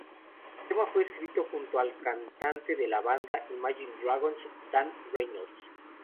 El tema fue escrito junto al cantante de la banda Imagine Dragons, Dan Reynolds.